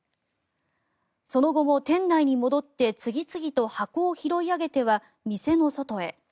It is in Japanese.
その後も店内に戻って次々と箱を拾い上げては店の外へ。